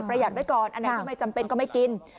ประหยัดไว้ก่อนอะไรแบบที่ไม่จำเป็นก็ไม่กิน